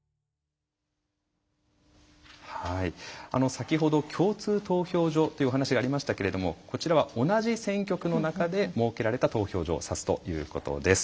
先程、共通投票所というお話がありましたけどこちらは同じ選挙区の中で設けられた投票所を指すということです。